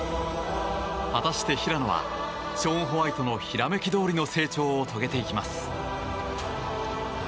果たして平野はショーン・ホワイトのひらめきどおりの成長を遂げていきます。